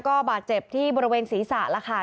ก็บาดเจ็บที่บริเวณศีรษะแล้วค่ะ